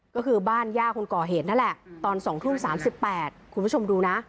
ก็คือบ้านย่าคนก่อเหตุนั่นแหละตอน๒ทุ่ม๓๘คุณผู้ชมดูนะ